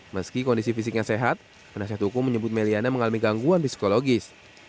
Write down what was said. meski kondisi fisiknya sehat penasihat hukum menyebut meliana mengalami gangguan psikologis